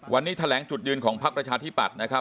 วันนี้แถลงจุดยืนของพักประชาธิปัตย์นะครับ